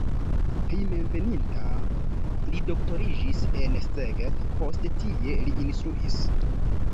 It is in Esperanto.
Hejmenveninta li doktoriĝis en Szeged, poste tie li instruis.